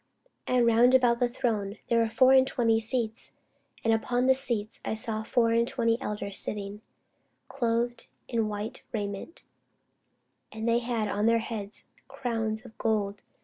And round about the throne were four and twenty seats: and upon the seats I saw four and twenty elders sitting, clothed in white raiment; and they had on their heads crowns of gold.